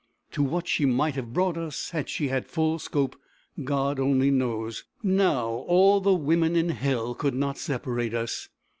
To what she might have brought us, had she had full scope, God only knows: now all the women in hell could not separate us!"